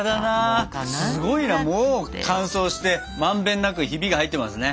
すごいなもう乾燥してまんべんなくヒビが入ってますね。